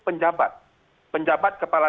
penjabat penjabat kepala